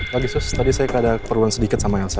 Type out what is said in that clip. lagi sus tadi saya keadaan keperluan sedikit sama elsa